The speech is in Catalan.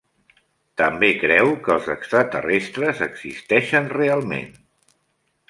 També creu que els extraterrestres existeixen realment.